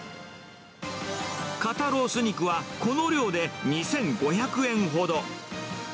肩ロース肉はこの量で２５００円ほど。